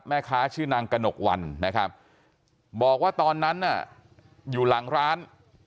แม่ค้าชื่อนางกระหนกวันนะครับบอกว่าตอนนั้นน่ะอยู่หลังร้าน